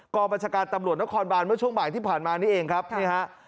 บัญชาการตำรวจนครบานเมื่อช่วงบ่ายที่ผ่านมานี่เองครับนี่ฮะ